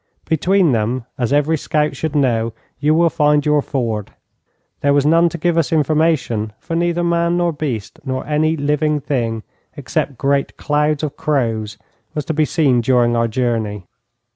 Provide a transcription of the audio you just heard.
Between them, as every scout should know, you will find your ford. There was none to give us information, for neither man nor beast, nor any living thing except great clouds of crows, was to be seen during our journey.